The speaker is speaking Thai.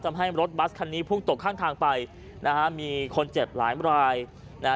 ทำให้รถบัสคันนี้พุ่งตกข้างทางไปนะฮะมีคนเจ็บหลายรายนะฮะ